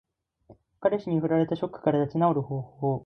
彼氏に振られたショックから立ち直る方法。